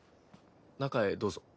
中へどうぞ。